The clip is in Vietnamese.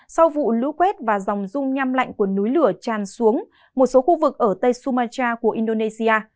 sau vụ lũ quét và dòng dung nham lạnh của núi lửa tràn xuống một số khu vực ở tây sumatra của indonesia